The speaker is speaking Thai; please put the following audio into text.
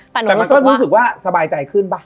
แต่มันก็รู้สึกว่าสบายใจขึ้นป่ะ